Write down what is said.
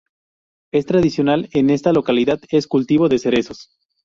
Es tradicional en esta localidad es cultivo de cerezos.